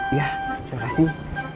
iya terima kasih